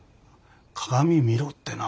鏡見ろってな。